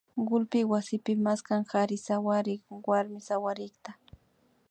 kullpi wasipi maskan kari sawarik warmi sawarikta